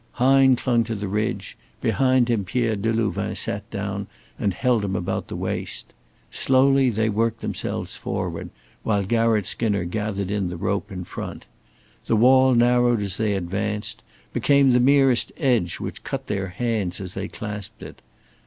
Hine clung to the ridge; behind him Pierre Delouvain sat down and held him about the waist. Slowly they worked themselves forward, while Garratt Skinner gathered in the rope in front. The wall narrowed as they advanced, became the merest edge which cut their hands as they clasped it.